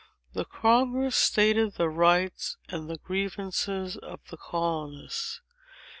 The Congress stated the rights and the grievances of the colonists.